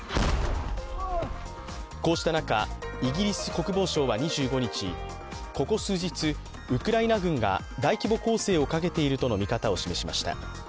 こうした中、イギリス国防省は２５日ここ数日、ウクライナ軍が大規模攻勢をかけているとの見方を示しました。